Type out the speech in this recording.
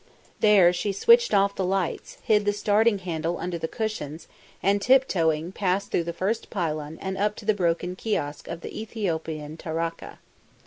There she switched off the lights, hid the starting handle under the cushions and, tip toeing, passed through the first pylon and up to the broken kiosk of the Ethiopian Tahraka.